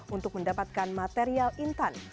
untuk mendapatkan material intan